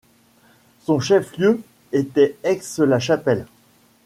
Son chef-lieu était Aix-la-Chapelle.